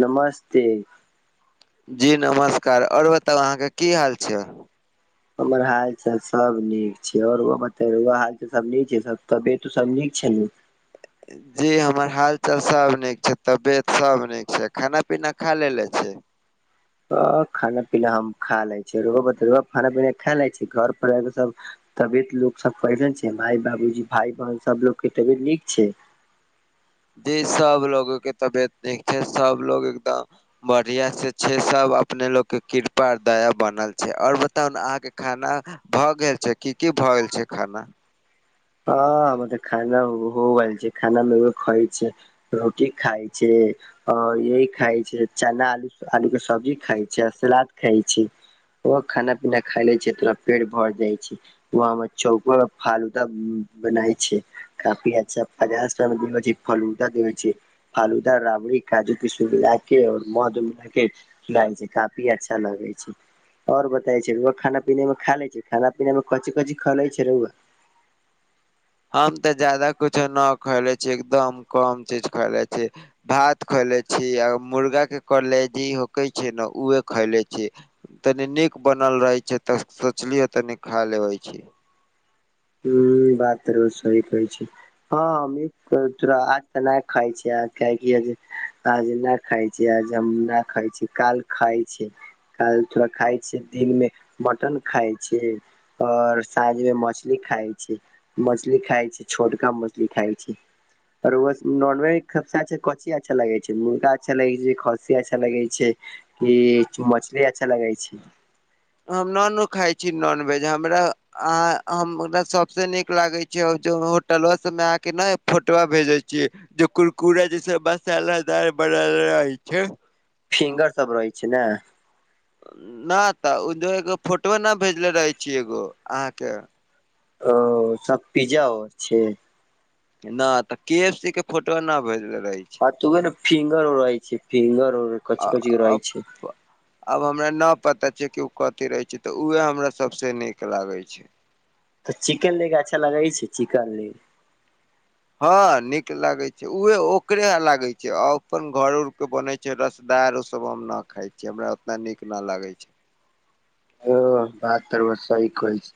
नमस्ते जी नमस्कार और बताउ अहाँके की हाल छै हमर हाल चाल सब नीक छै औरो बतैउ अहां सब नीक छै सब तबियत सब नीक छै नु? जी हमर हालचाल सब नीक छै, तबियत सब नीक छै, खाना पीना खा लेलेे छी? हँ खाना पीना हम खा लै छि। रोउआ बतैयो अब खाना पीना खा लै छी घर पर आरो सब तबियत लोक सब बढ़िया ने छै माय, बाबूजी, भाय, बहन सब लोग के तबियत नीक छै? जी सब लोगो के तबियत नीक छै सब लोग एकदम बढ़िया से छै सब अपने लोग के कृपा दया बनल छै। आओर बताउ ने अहाँके खाना भऽ गेल छै, की की भऽ गेल छै खाना? हँ हमर तऽ खाना हो गैल छै। खाना मे उहे खाइ छी- रोटी खाइ छी और यही खाइ छै चना, आलू आलू के सब्जी खाइ छै आ सलाद खाइ छी। व खाना पीना खाय लै छी तोरा पेट भर जाय छै वह हमरा चौकवा मे फालू दा बनाय छै काफी अच्छा पचास टका मे देबै छै फलूदा देेबै छै। फालूदा, राबड़ी, काजू, किशमिश मिला के और मौध मिला के पिलाइ छै काफी अच्छा लगै छै। और बताइ छै रौआ खाना पीना मे खा ले छै खाना पीना मे कोनची कोनची खा ले छै रौवा? हम तऽ जादा कुछो न खैले छीै एकदम कम चीज खैले छी। भात खएले छी आ मुर्गा के कलेजी होके छै न उहे खैले छी। तनी नीक बनल रहै छै तऽ सोचलियै तनी खा लेबै छी। हूं बात त रौआ सही कहै छी। हँ हमनी [unintelligible] तोरा आज तऽ नहि खाय छी काहेकि आज ना खाइ छी आज हम ना खाइ छी काल खाइ छी। काल तोरा खाय छी दिन में मटन खाय छी और साँझ मे मछ छली खाइ छी मछली खाइ छी छोटका मछली खाइ छी। आ रौवा स नॉनवेज सबसे कोनची अच्छा लगे छै मुर्गा अच्छा लगे छै खस्सी अच्छा लगे छै? कि मछली अच्छा लगे छै। हम न नु खाइ छी नॉनवेज हमरा आ हमरा सबसे नीक लागे छै ओ जे होटलवा सबमे अहांके ना फोटवा भेजै छी। जे कुरकुरे जैसे मसालादार बनल रहै छै। फिंगर सब रहै छै ने न तऽ ऊ जे एगो फोटवा न भेजले रहे छी एगो अहाँके ओ सब पिज्जा ओ छै। न तऽ के एफ सी के फोटवा ना भेजले रहै छी हा त उहे न फिंगर और रहै छै फिंगर और कोनची कोनची रहै छै। आब हमरा न पता छै कि ऊ कथी रहै छै तऽ उहे हमरा सभसे नीक लागै छै। तऽ चिकेन लेग अच्छा लगै छै चिकन लेग? हँ नीक लागे छै उहे ओकरे यहां लागै छै अपन घर उर के बनै जे रसदार ओ सब हम नहि खाइ छि हमरा ओतना नीक नहि लागै छै। हँ बात त अहाँ सही कहय छी।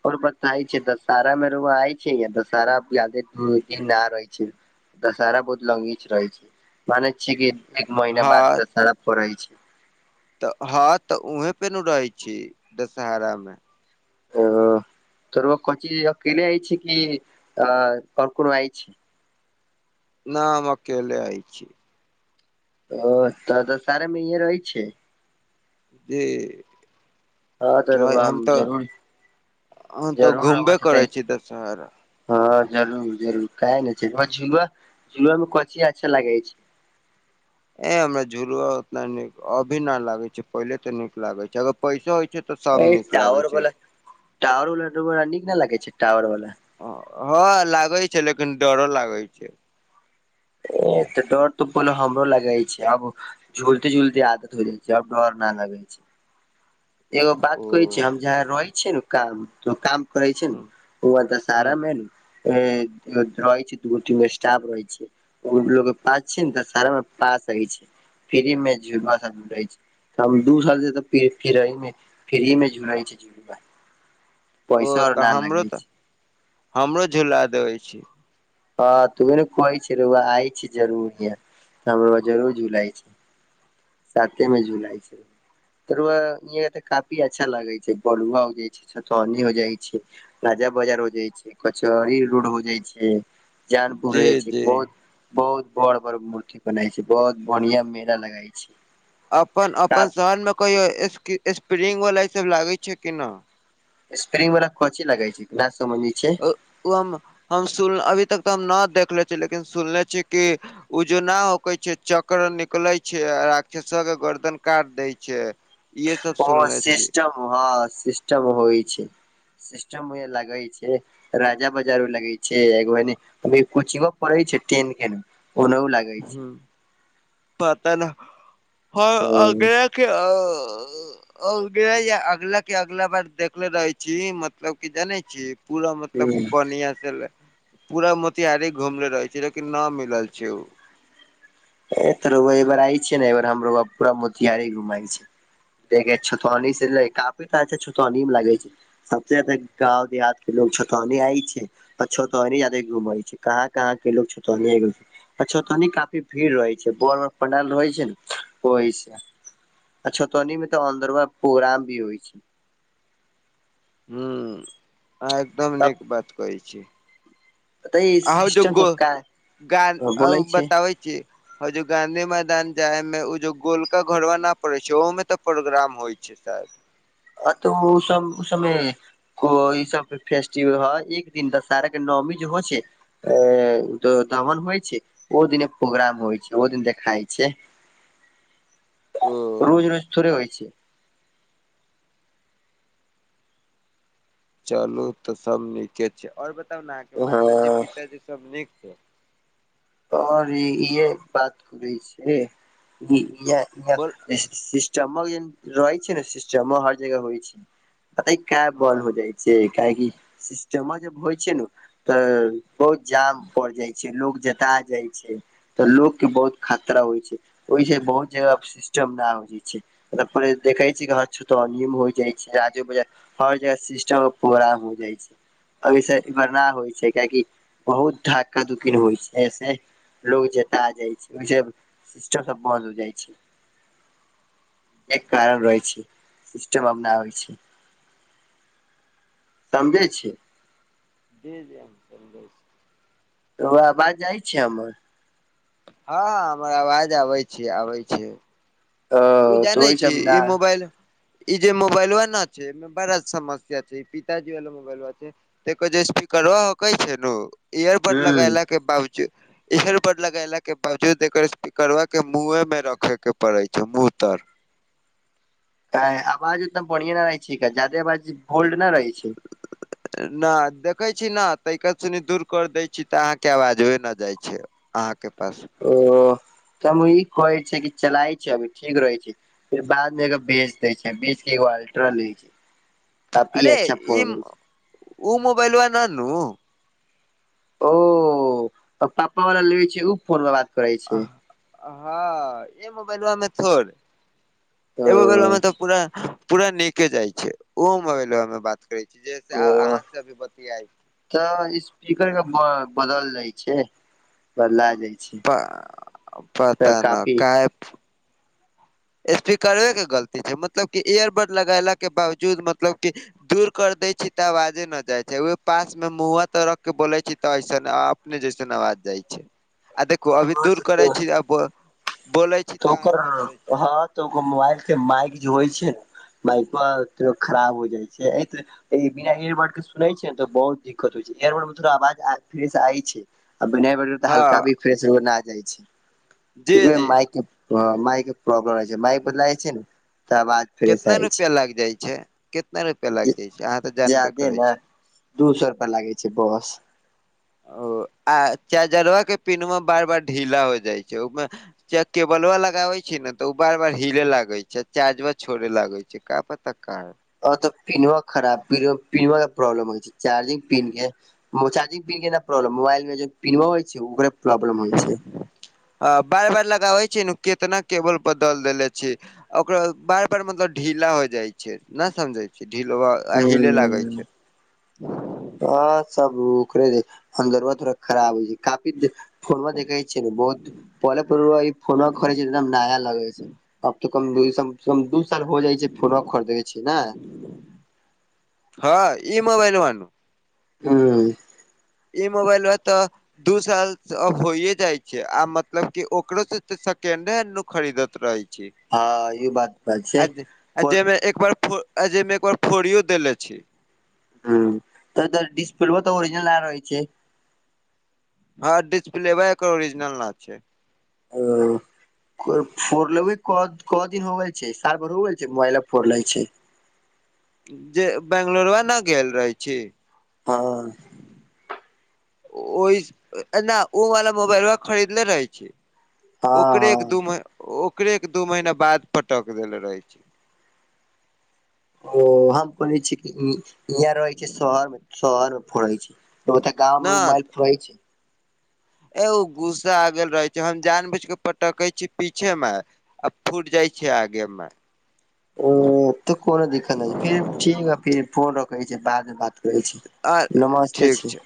[unintelligible] दशहरा बहुत लंगीच रहै छै मने छिय कि एक महिना बाद हँ दशहरा परैय रहै छै। तऽ हँ तऽ उहें पे न रहे छी दशहरा मे ओ त [unintelligible] अकेले आइ छी की और कोनो आय छी। ना हम अकेले आय छी। ओ तऽ दशहरा मे इहे रहै छीये। जी। हँ तऽ रउआ हम तऽ जरूर हम तऽ जरूर रउआ घूमबे साथे करै छी दसहर हँ जरूर जरूर क ने छै झुआ झुआमे कथि अच्छा लागे छै। ए हमरा झुलु उतना नीक अभी न लागे छै पहिले तऽ नीक लागे छै अगर पैसो होइ छै तऽ सब ए नीक टावर लागे छै। वाला टावर वाला [unintelligible] नीक न लागै छै टावर वाला। हँ लागैय छै लेकिन डरो लागैत छै। ए तऽ डर तऽ पहिले हमरो लगइ छै आब झुलते झुलते आदत हो गेल छै अब डर ना लगै छै। एगो बात ओ कहै छी हम ह जहाँ रहै छियै ने काम तो काम करै छी ना त ओ ह दशहरा मे ने ए रहि छी दू गो तीन गो स्टाफ रहहि छी। ओ लोग के पास छै ने तऽ दशहरा मे पास होइ छै फ्री मे झुलुआ सब झूलय छै। हम दू साल से त फिरै मे फ्री मे झूलय छी झूला। ओ तऽ हमरो लगे तऽ छै हमरो झुला देबे छी। [unintelligible] सातेमे झुलाइ छै। तरुआ हिया त काफी अच्छा लगे छै बरुआ हो जाइ छै छतौनी हो जाइ छै। राजा बाजार हो जाइ छै कचहरी रोड हो जाइ छै जानपुर हो जी जाइ छै जी बहुत बहुत बड़ बड़ मूर्ति बनाइ छै बहुत बढ़िया मेला लगाई छे। अपन अपन शहर मे कहियो स्प्रिं स्प्रिंग वला ई सब लागे छै कि न। स्प्रिंग वला कोनची लगै छै ना समझनी छै। ओ हम हम सुन अभी तक तऽ हम न देखले छिय लेकिन सुनले छी कि उजोना होक छै चक्र निकले छै राक्षसवा के गर्दन काट दै छै। इहे सब ओ सुनले छी सिस्टेम हँ सिस्टेम होइ छै। सिस्टम मे लगै छै। राजा बाजारो लागै छै एगो कोचिंगो पड़ै छै टेन के ओनाउ लाग हु पता नहि हर ह अग [unintelligible] ओ अगला के अगला बार देखले रहै छी मतलब क जानै छी पूरा मतलब ह कि बढ़िया से पूरा मोतिहारी घुमले रहे छै लेकिन न मिलल छै उ। ए त रौवा आई बेर आयिय छीयौ ने हम रौवा के पूरा मोतिहारे घुमाय छी। देख छतौनी से [unintelligible] अच्छा छतनी मे लागै छै। सबसे ज्यादा गाँव देहात के लोग छतौनी आय छे। आ छतनी जाादे घुमै छै कहाँ कहाँ के लोग छतौनि छतौनी काफी भीड़ रहै छै भोर में पंडाल रहै छै ने ओहिसे आ छतौनी में तऽ अन्दरवा पोग्राम भी होइ छै। हुं अहां एकदम नीक तब बात कहै छी। ते आहों जे सिस्टम गो सब का गान आ उ बोले छै। बताबै छी और जो गाँंधी मैदान जाय में उ जो गोलका घरवा न पड़े छै ओहों में तऽ प्रोग्राम होय छै शाएद। आ तऽ उ सब, उ सब में हां ई सब जे फेस्टिवल हय एक दिन दशहरा के नौवमी जे हय छै ऐ तो दहन होइ छै ओय दिना प्रोग्राम होय छै ओ दिन देखाइ छै। ओ रोज-रोज थोड़े होय छै। चलू तऽ सब नीके छै और बताउ नै अहाँके हँ माताजी-पिताजी सब नीक छै। तोहर ई इहै बात करे छै, ई ईहे-ईहे बोल [unintelligible] चम्मक जेहेन रहै छै नै सिस्टम में हर जगह होय छै। पता ई काहे बन्द हँ हो जाए छै काहेकि सिस्टमा जब होय छै नै उ तऽ बहुत जाम पड़ जाइ छै, लोग जता जाइ छै। तऽ लोक के बहुत खतरा होय छै, ओय से बहुत जगह पे सिस्टम न होय छै, [unintelligible] हर जगह सिस्टम में पूरा हो जाए छै। अब ई सब इधर ना होय छै काहैकि बहुत धक्का-धुक्की न होय छै। ए से लोग जता जाए छै, ओय से सिस्टम सब बंन्द होए जाए छै। एहि कारण रहै छै, सिस्टम आब न आबै छै। समझै छीयै। जी-जी। तोरा आवाज जाए छै हमर? हां हमर आवाज आबै छीयै, आबै छीयै। ओ तु तऽ जानय ओहि छी सब न ई मोबाइल ई जे मुबाइलवा न छै ई मे बड़ा समस्या छै, ई पिताजी वाला मुबाइलवा छीयै। त ऐकर जे स्पीकरो हकै छै नू इयरबड ह्म लगायला के बाबजू इयर बर्ड लगैला के बावजूद एकर स्पीकरवा के मुँहे मे रखे के पड़े छै मुँह तर। काहे आवाज उतना बढ़िया न रहै छै एकर जादे आवाज होल्ड न रहै छै। न देखै छीयै न ताके सुनि दूर कर दै छीयै तऽ अहाँके आवाजवै न जाइ छै। अहाँके पास ओ तऽ हम ई कहै छीयै कि चलाइ छी अभी ठीक रहै छै। फेर बाद मे एकरा बेच दे छीयै, बेच के एगो अल्ट्रा ले छीयै, काफी अरे अच्छा फोन ई होय छै। उ मुबाईलवा ना न उ ओ त पप्पा वला लेबै छीयै उ फोन पर बात करै छै अह अ हां ई मुबाइलवा मे छोड़ ओ एगो मुबाइलवा मे त पूरा-पूरा नीके जाय छै, उहो मोबइलवा मे बात करै छीयै जे से आर ओ अहाँ से अभी बतियाय छी। तऽ स्पीकर के ब बदल जाए छै। बदलाए जाए छै तऽ काफी ऐप। स्पीकरवे के गलती छै मतलब की इयरबड लगेला के बावजूद मतलब की दूर कर देै छी तऽ आवाजे न जाए छै, उहे पास मे मुहां तर रख के बोले छी तऽ ऐसन आब अपने जैसन अवाज जाए छै आ देखु अभी दूर करै छी अ बौ बोलै छी तऽ अहाँ ओकर हां समझै छी हां तऽ ओकर मोबाइल के माइक जे होइ छै नै बइको आ के खराब हो जाइ छै। एत ई बिना एयरबर्ड के सुनै छै ने तऽ बहुत दिक्कत होइ छै एयरबर्ड मे तो आवाज आ फ्रेश आइ छै। आ बिना ईयरबड तऽ हल्का भी हँ फ्रेश हो आ जाइ छै जी ठ जी माय ह मइक प्रॉब्लम रहइ छै मइक बदला जाए छै नु तऽ बाद कैतना रुपआ लाग जाय छै कैतना रुपआ लाइग जाय छै अहाँ तऽ जानबे जादे करै ने छी। दू सै रुपआ लागै छै बस। ओ आ चाजरवा के पिनवा मे बार-बार ढीला हो जाइ छै ओमे च केबलवा लगावे छै ने तऽ उ बार-बार हिले लागे छै चार्जवा छोड़े लागे छै। एका पताकार अ तऽ पिनवा खराब पीन पिनवा प्रॉब्लम होइ छै चार्जिंग पिन के मोब चार्जिंग पिन के नऽ प्रब्लम मोबाइल मे पिनवा होइ छै ओकरे प्रॉब्लम होइ छै। आ बार-बार लगाबे छी नु केतना केबल बदल देेलै छी। ओकरो बार-बार मतलब ढीला हो जाइ छै न समझे छी ढीलवा आ हीले लागे छै। अ सब उकरे अन्दरवा थोड़ा खराब होइ छै काफी फोनमे देखै छै नु बहुत [unintelligible] फोनवा खरै छै एकदम नया लगै छै। कम दूयसम‌ सम दूय साल हो जाइ छै फोनवा खरीदै छी ने हँ ई मोबाइलवा नुऽ हू ई मोबइलवा तऽ दू साल सऽ अब होइये जाइ छै आ मतलब के ओकरो से त सेकेंडे हेंड नु खरीदत रहइ छी। हँ ई बात बात छै आ ज आ फोन जहिमे एक बार फोर आ जहिमे एक बार फोड़ियो देले छी। हूं तऽ डिस्प्लवो तऽ ऑरिजिनल ना रहै छै। हँ डिस्प्लेवा एकर ओरिजिनल ना छै। ओ कऽ फोड़लवय क क दिन होब- छैय सरबरौयल छै मोबाइले फोर लेए छै। जे बेंगलोरवा नऽ गेल रहै छी। हँ ओहिस एना ओ वाला मोबाइलवा खरीदले रहै छी। हँ ओकरे के हँ दू मही ओकरे के दू महीना बाद पटक देल रहै छी। हो हम कहलने छीय कि इहाँ रहै छै शहर मे शहर मे फड़ै छी। बहुते गाममे ‌मोबाइल फोरइ छी। ए ओ गुस्सा आ गेल रहे छै हम जान बूझ के पटके छी पीछे मे आ फूट जाइ छै आगे मे ओ तऽ कोनो दिक्कत नहि छै फिर ठीक ह फिर फोन रखै छी बाद मे बात करै छी आ नमस्ते ठीक छै छी।